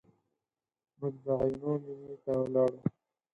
موږ د عینو مینې ته ولاړو.